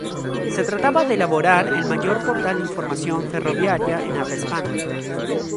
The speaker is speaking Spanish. Se trataba de elaborar el mayor portal de información ferroviaria en habla hispana.